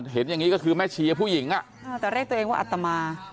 เห็นอย่างนี้ก็คือแม่เชียร์ผู้หญิงแต่เรียกตัวเองว่าอัตมา